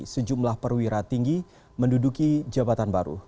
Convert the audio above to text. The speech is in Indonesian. sejumlah perwira tinggi menduduki jabatan baru